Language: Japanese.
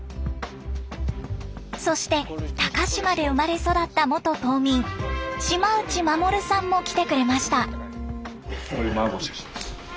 そして高島で生まれ育った元島民島内守さんも来てくれました。